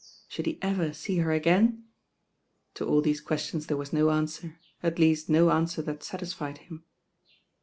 Should he ever see her again? To all these que Jtions there was no answer, at least no answer that satisfied him.